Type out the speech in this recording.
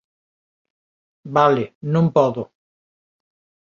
Vale, non podo.